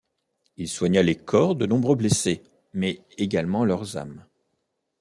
Il soigna les corps de nombreux blessés, mais également leurs âmes.